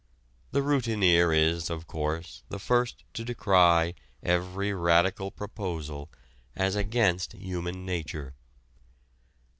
The routineer is, of course, the first to decry every radical proposal as "against human nature."